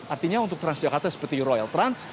artinya untuk transjakarta seperti royal trans